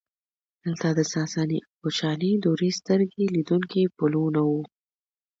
دلته د ساساني او کوشاني دورې سترګې لیدونکي پلونه وو